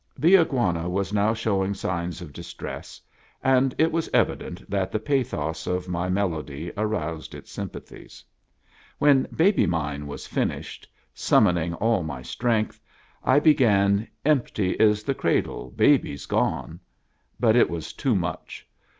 The Iguana was now showing signs of distress, and it was evident that the pathos of my melody aroused its sympathies. When " Baby Mine " was finished, summoning all my strength, I began " Empty is the Cradle, Baby 's gone." But it was too much.